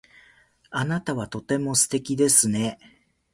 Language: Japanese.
あなたはとても素敵ですね。